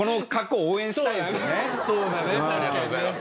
ありがとうございます。